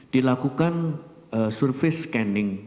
dilakukan surface scanning